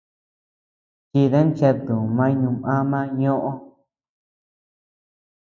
Chidan cheutumañ num ama ñoʼö.